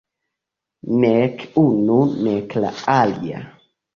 Nek unu nek la alia.